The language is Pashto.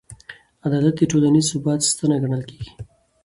عدالت د ټولنیز ثبات ستنه ګڼل کېږي.